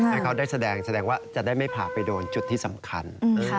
ให้เขาได้แสดงแสดงว่าจะได้ไม่ผ่าไปโดนจุดที่สำคัญ